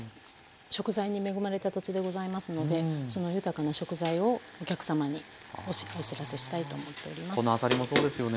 食材に恵まれた土地でございますのでその豊かな食材をお客様にお知らせしたいと思っております。